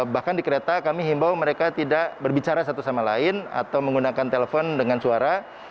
bahkan di kereta kami himbau mereka tidak berbicara satu sama lain atau menggunakan telepon dengan suara